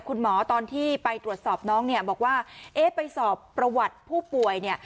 ตอนที่ไปตรวจสอบน้องเนี่ยบอกว่าเอ๊ะไปสอบประวัติผู้ป่วยเนี่ย